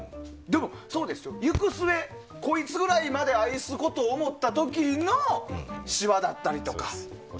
でも、そうですよ、行く末にこいつぐらいまで愛すことを思った時の、しわだったりとか。